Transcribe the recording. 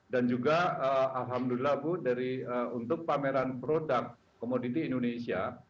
dan juga alhamdulillah bu untuk pameran produk komoditi indonesia